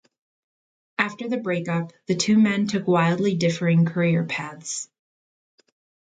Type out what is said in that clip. After the break-up, the two men took wildly differing career paths.